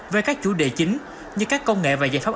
về các chủ đề chính như các công nghệ và giải pháp